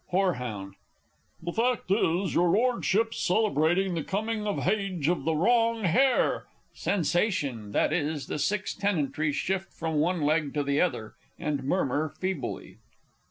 Horeh. The fact is, your Lordship's celebrating the coming of hage of the wrong heir. (_Sensation i.e., the six tenantry shift from one leg to the other, and murmur feebly.